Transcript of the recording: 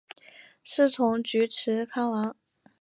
师从菊池康郎。